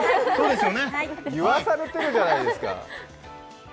言わされてるじゃないですか。